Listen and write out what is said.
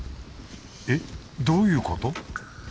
えっどういうこと？